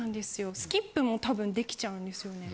スキップもたぶん出来ちゃうんですよね。